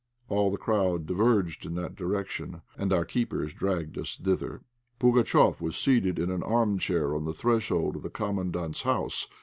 All the crowd diverged in that direction, and our keepers dragged us thither. Pugatchéf was seated in an armchair on the threshold of the Commandant's house.